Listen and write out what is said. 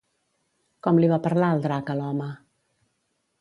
Com li va parlar el drac a l'home?